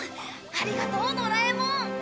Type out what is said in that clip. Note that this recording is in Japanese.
ありがとうドラえもん。